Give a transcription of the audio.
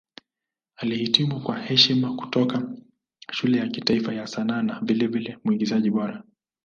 Alihitimu kwa heshima kutoka Shule ya Kitaifa ya Sanaa na vilevile Mwigizaji Bora.